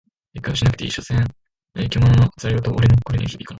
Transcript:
撤回はしなくていい、所詮獣の戯言俺の心には響かない。